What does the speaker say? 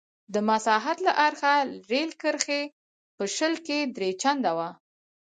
د مساحت له اړخه رېل کرښې په شل کې درې چنده وې.